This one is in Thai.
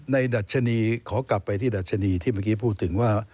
ดัชนีขอกลับไปที่ดัชนีที่เมื่อกี้พูดถึงว่า